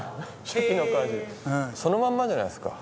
そのまんまじゃないですか。